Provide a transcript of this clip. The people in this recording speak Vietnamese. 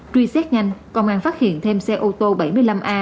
truy xét nhanh tổ tuần tra trạm đã truy tìm xe đông lạnh